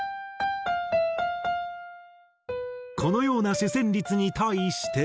このような主旋律に対して。